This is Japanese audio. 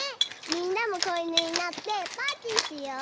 みんなもこいぬになってパーティーしよう！